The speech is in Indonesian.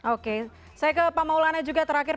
oke saya ke pak maulana juga terakhir